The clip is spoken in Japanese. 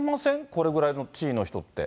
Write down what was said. これぐらいの地位の人って。